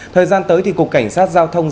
thời gian tới thì cục cảnh sát giao thông